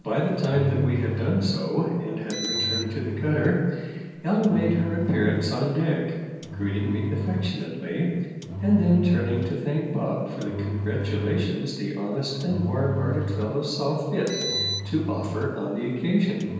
By the time that we had done so and had returned to the cutter, Ella made her appearance on deck, greeting me affectionately, and then turning to thank Bob for the congratulations the honest and warm hearted fellow saw fit to offer on the occasion.